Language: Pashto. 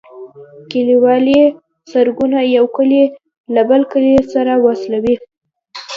کليوالي سرکونه یو کلی له بل کلي سره وصلوي